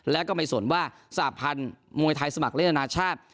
และก็ไม่สนว่าสหพันธ์มวยไทยสมัครเล่นอนาชาติ